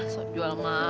soal jual mahal